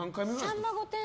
「さんま御殿！！」